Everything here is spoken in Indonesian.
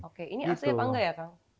oke ini asli apa enggak ya kang